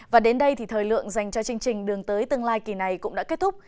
và đến đây thì thời lượng dành cho chương trình đường tới tương lai kỳ này cũng đã kết thúc